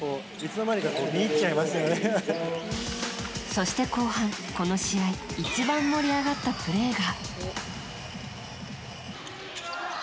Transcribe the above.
そして後半、この試合一番盛り上がったプレーが。